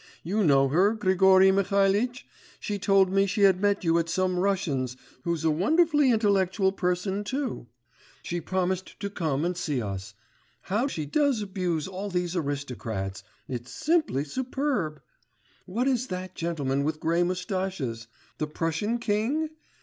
You know her, Grigory Mihalitch; she told me she had met you at some Russian's, who's a wonderfully intellectual person too. She promised to come and see us. How she does abuse all these aristocrats it's simply superb! What is that gentleman with grey moustaches? The Prussian king?